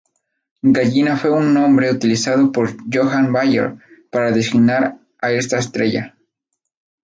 Gallina fue un nombre utilizado por Johann Bayer para designar a esta estrella.